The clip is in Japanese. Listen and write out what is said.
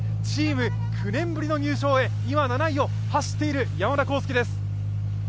チーム９年ぶりの入賞へ、今、７位を走っている山田滉介です。